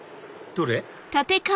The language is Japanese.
どれ？